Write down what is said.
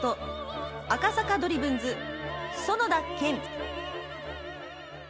赤坂ドリブンズ園田賢。